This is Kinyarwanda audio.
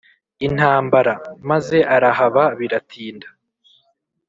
intambara), maze arahaba biratinda,